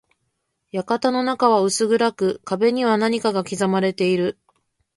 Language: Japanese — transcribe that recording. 館の中は薄暗く、壁には何かが刻まれている。